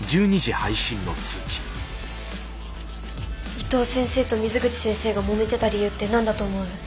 伊藤先生と水口先生がもめてた理由って何だと思う？